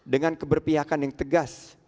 dengan keberpihakan yang tegas